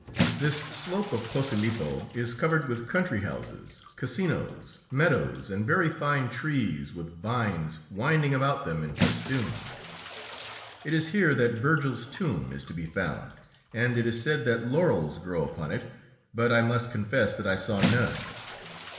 This slope of Posilippo is covered with country houses, casinos, meadows, and very fine trees with vines winding about them in festoons. It is here that Virgil's tomb is to be found, and it is said that laurels grow upon it, but I must confess that I saw none.